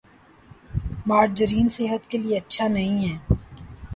margarine صحت کے لئے اچھا نہیں ہے